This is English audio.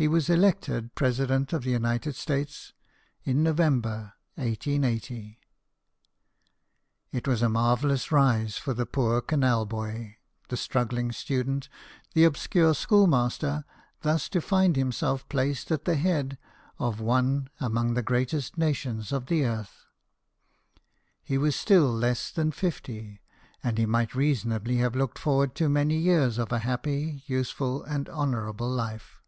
He was elected President of the United States in November, 1880. It was a marvellous rise for the poor canal boy, the struggling student, the obscure school master, thus to find himself placed at the head of one among the greatest nations of the earth. He was still less than fifty, and he might reasonably have looked forward to many years of a happy, useful, and honourable life.